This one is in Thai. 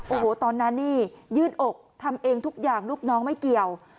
โอ้โหตอนนั้นนี่ยื่นอกทำเองทุกอย่างลูกน้องไม่เกี่ยว